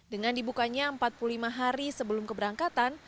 dengan dibukanya empat puluh lima hari sebelum keberangkatan